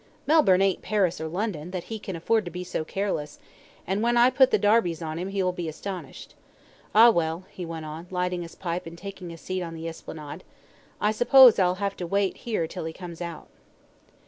Melbourne ain't Paris or London, that he can afford to be so careless, and when I put the darbies on him he will be astonished. Ah, well," he went on, lighting his pipe and taking a seat on the Esplanade, "I suppose I'll have to wait here till he comes out."